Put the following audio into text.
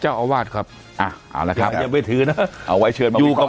เจ้าอาวาสครับอ่ะเอาละครับยังไม่ถือนะเอาไว้เชิญมาดูครับ